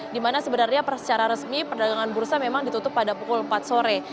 dimana sebenarnya secara resmi perdagangan bursa memang ditutup pada pukul empat sore